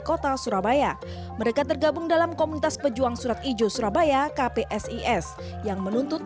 kota surabaya mereka tergabung dalam komunitas pejuang surat ijo surabaya kpsis yang menuntut